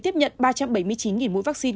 tiếp nhận ba trăm bảy mươi chín mũi vaccine